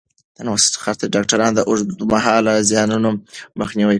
ډاکټران د اوږدمهاله زیانونو مخنیوی کوي.